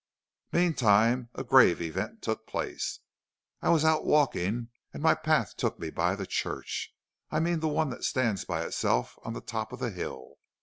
"Meantime a grave event took place. I was out walking, and my path took me by the church. I mean the one that stands by itself on the top of the hill.